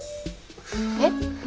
えっ？